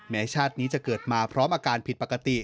ชาตินี้จะเกิดมาพร้อมอาการผิดปกติ